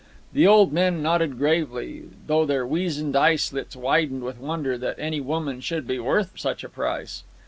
The old men nodded gravely, though their weazened eye slits widened with wonder that any woman should be worth such a price.